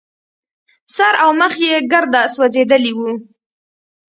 سر او مخ يې ګرده سوځېدلي وو.